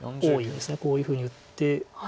こういうふうに打って。